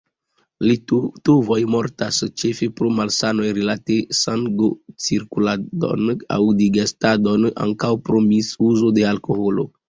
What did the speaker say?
Litovoj mortas ĉefe pro malsanoj rilate sangocirkuladon aŭ digestadon; ankaŭ pro misuzo de alkoholo.